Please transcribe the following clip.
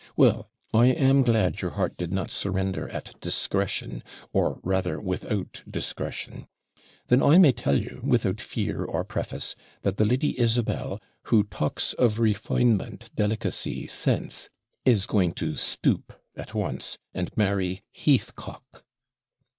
'Well, I am glad your heart did not surrender at discretion, or rather without discretion. Then I may tell you, without fear or preface, that the Lady Isabel, who "talks of refinement, delicacy, sense," is going to stoop at once, and marry Heathcock.'